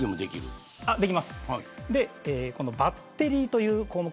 バッテリーという項目